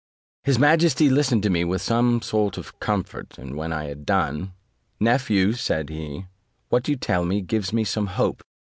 His majesty listened to me with some sort of comfort, and when I had done, "Nephew," said he, "what you tell me gives me some hope.